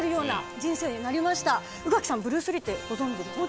宇垣さんブルース・リーってご存じですか？